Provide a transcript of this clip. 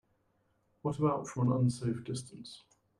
What about from an unsafe distance?